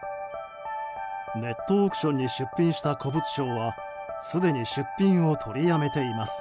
ネットオークションに出品した古物商はすでに出品を取りやめています。